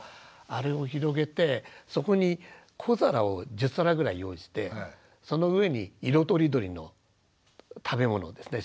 あれを広げてそこに小皿を１０皿ぐらい用意してその上に色とりどりの食べ物をですね